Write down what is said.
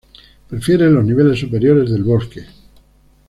Prefiere los niveles superiores del bosque.